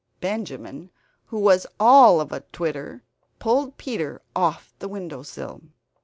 Benjamin, who was all of atwitter, pulled Peter off the windowsill.